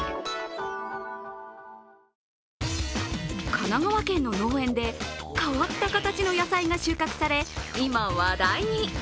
神奈川県の農園で変わった形の野菜が収穫され、今、話題に。